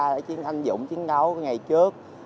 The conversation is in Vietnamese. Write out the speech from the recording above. đã chiến thanh dũng chiến đấu ngày trước